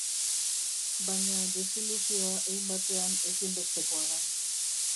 Baina desilusioa, hein batean, ezinbestekoa da.